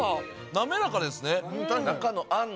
なめらかですね。